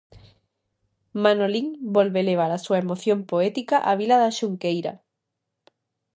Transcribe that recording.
Manolín volve levar a súa emoción poética á vila da Xunqueira.